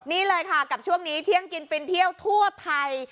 นี่เลยค่ะกับช่วงนี้เที่ยงกินฟินเที่ยวทั่วไทย